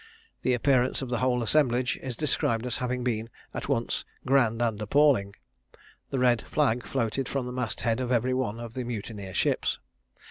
The appearance of the whole assemblage is described as having been at once grand and appalling. The red flag floated from the mast head of every one of the mutineer ships.